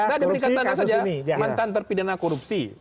tidak diberikan tanda saja mantan terpidana korupsi